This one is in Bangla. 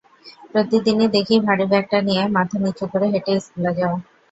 প্রতিদিনই দেখি ভারী ব্যাগটা নিয়ে মাথা নিচু করে হেঁটে স্কুলে যাও।